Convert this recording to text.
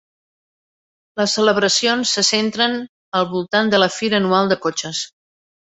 Les celebracions se centren al voltant de la fira anual de cotxes.